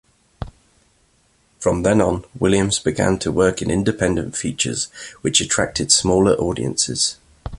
From then on, Williams began to work in independent features, which attracted smaller audiences.